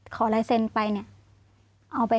ขอลายเซ็นไปเนี่ย